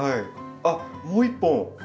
あっもう一本？